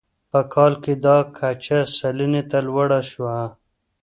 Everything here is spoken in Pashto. په کال کې دا کچه سلنې ته لوړه شوه.